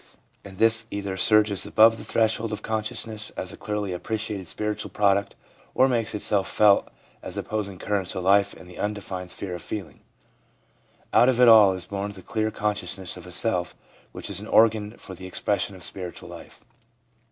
24 350 THE PSYCHOLOGY OF RELIGION and this either surges above the threshold of conscious ness as a clearly appreciated spiritual product, or makes itself felt as opposing currents of life in the undefined sphere of feeling. Out of it all is born the clear con sciousness of a self which is an organ for the expression of spiritual life.